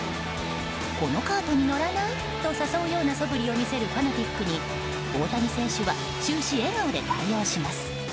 このカートに乗らない？と誘うようなそぶりを見せるファナティックに大谷選手は終始、笑顔で対応します。